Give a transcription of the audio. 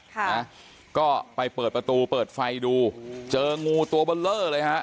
ค่ะนะก็ไปเปิดประตูเปิดไฟดูเจองูตัวเบอร์เลอร์เลยฮะ